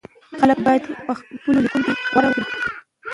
خلک بايد په خپلو ليکنو کې غور وکړي.